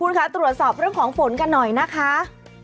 คุณค่ะตรวจสอบเรื่องของฝนกันหน่อยนะคะ